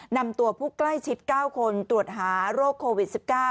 นำตัวผู้ใกล้ชิด๙คนตรวจหาโรคโควิด๑๙